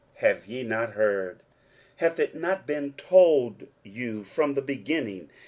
have ye not heard? hath it not been told you from the beginning?